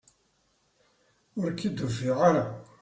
Ur ak-id-ufiɣ ara!